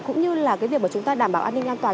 cũng như là việc chúng ta đảm bảo an ninh an toàn